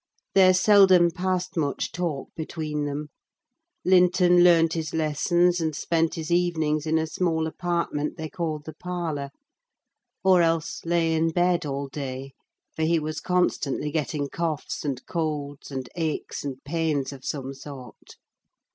There seldom passed much talk between them: Linton learnt his lessons and spent his evenings in a small apartment they called the parlour: or else lay in bed all day: for he was constantly getting coughs, and colds, and aches, and pains of some sort.